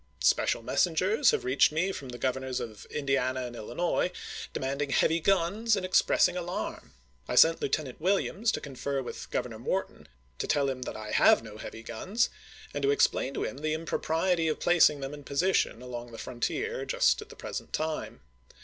Special messengers have reached me from the Governors of Indiana and Illinois, demanding heavy guns and ex pressing great alarm. I sent Lieutenant Williams to confer with Governor Morton, to tell him that I have no heavy guns, and to explain to him the impropriety of placing them in position along the frontier just at the present time.